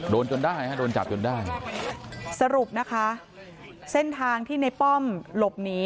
จนได้ฮะโดนจับจนได้สรุปนะคะเส้นทางที่ในป้อมหลบหนี